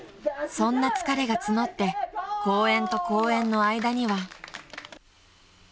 ［そんな疲れが募って公演と公演の間には］